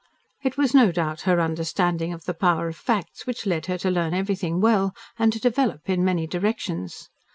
It was no doubt her understanding of the power of facts which led her to learn everything well and to develop in many directions.